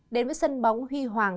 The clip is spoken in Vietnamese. đến với sân bóng huy hoàng